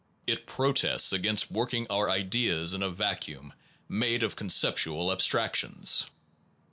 It protests against work ing our ideas in a vacuum made of conceptual abstractions.